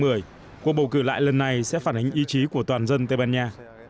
cuộc bầu cử lại lần này sẽ phản ánh ý chí của toàn dân tây ban nha